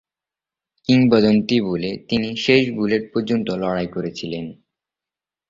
কিংবদন্তি বলে, তিনি শেষ বুলেট পর্যন্ত লড়াই করেছিলেন।